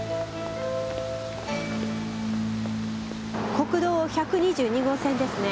国道１２２号線ですね。